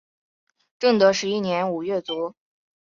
正德十一年五月卒。